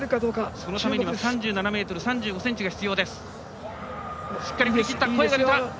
そのためには３７ｍ３５ｃｍが必要です。